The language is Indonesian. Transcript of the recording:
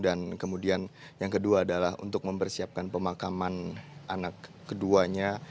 dan kemudian yang kedua adalah untuk mempersiapkan pemakaman anak keduanya